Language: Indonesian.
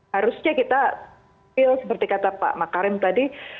harusnya kita feel seperti kata pak makarim tadi